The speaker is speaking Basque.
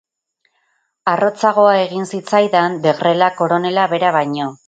Arrotzagoa egin zitzaidan Degrela koronela bera baino.